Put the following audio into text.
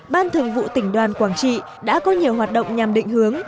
ban thường vụ tỉnh đoàn quảng trị đã có nhiều hoạt động nhằm định hướng